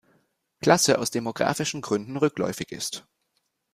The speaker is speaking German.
Klasse aus demographischen Gründen rückläufig ist.